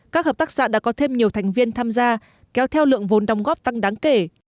các hợp tác xã đã có thêm nhiều thành viên tham gia kéo theo lượng vốn đóng góp tăng đáng kể